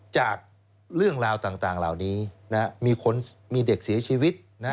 จากเรื่องราวต่างเหล่านี้มีคนมีเด็กเสียชีวิต